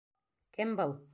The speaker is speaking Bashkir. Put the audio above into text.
Кем был?